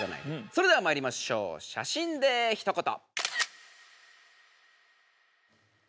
それではまいりましょう「写真でひと言」。